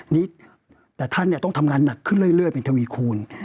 นี่แต่ท่านต้องทำงานหนักขึ้นเรื่อยเป็นทวีคูณ